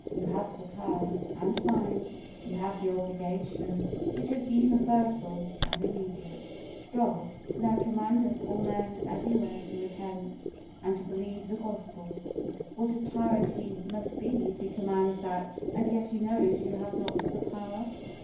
You have the power, and mind, you have the obligation, which is universal and immediate. God "now commandeth all men everywhere to repent," and to believe the Gospel. What a tyrant He must be if He commands that, and yet He knows you have not the power!